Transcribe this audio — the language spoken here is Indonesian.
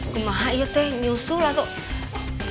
gemah ya nyusul lah tuh